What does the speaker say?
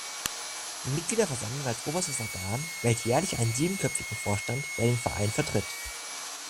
Die Mitgliederversammlung als oberstes Organ wählt jährlich einen siebenköpfigen Vorstand, der den Verein vertritt.